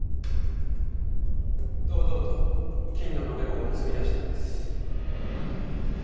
堂々と金の延べ棒を盗み出したんです。